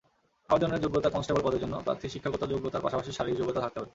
আবেদনের যোগ্যতাকনস্টেবল পদের জন্য প্রার্থীর শিক্ষাগত যোগ্যতার পাশাপাশি শারীরিক যোগ্যতাও থাকতে হবে।